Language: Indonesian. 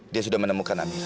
dia sudah menemukan amira